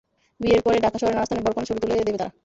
বিয়ের পরে ঢাকা শহরের নানা স্থানে বর-কনের ছবি তুলে দেবে তারা।